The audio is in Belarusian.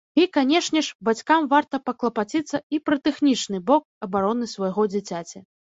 І канешне ж, бацькам варта паклапаціцца і пра тэхнічны бок абароны свайго дзіцяці.